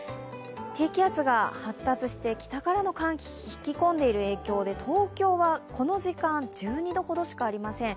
低気圧が発達して北からの寒気を引き込んでいる影響で、東京はこの時間、１２度ほどしかありません。